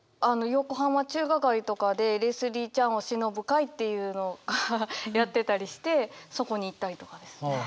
横浜中華街とかでレスリー・チャンをしのぶ会っていうのがやってたりしてそこに行ったりとかですね。